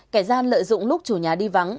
kẻ gian lợi dụng lúc chủ nhà đi vắng